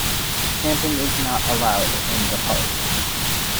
Camping is not allowed in the park.